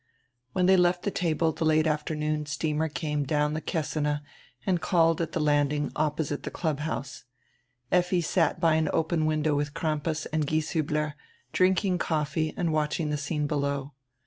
When diey left die table die late afternoon steamer came down die Kessine and called at die landing opposite die clubhouse. Effi sat by an open window widi Crampas and Gieshiibler, drinking coffee and watching die scene below.